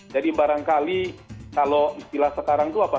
jadi barangkali kalau istilah sekarang itu apa